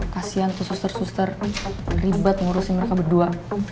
kasian tuh suster suster ribet ngurusin mereka berdua